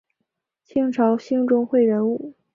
清朝兴中会人物。